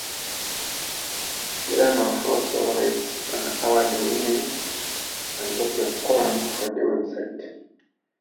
Ulanoff also writes an award-winning and popular column for the website.